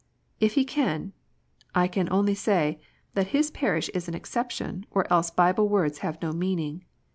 If he can, I can only say, that his parish is an exception, or else Bible words have no meaning.